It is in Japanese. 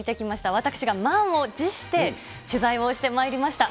私が、満を持して取材をしてまいりました。